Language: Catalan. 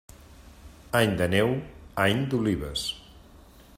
Any de neu, any d'olives.